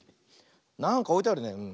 なんかおいてあるねうん。